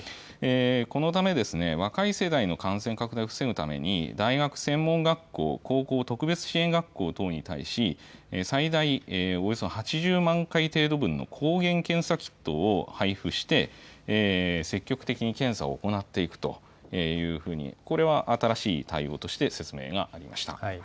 このため、若い世代の感染拡大を防ぐために、大学、専門学校、高校、特別支援学校等に対し、最大およそ８０万回程度分の抗原検査キットを配布して、積極的に検査を行っていくというふうに、これは新しい対応として説明がありました。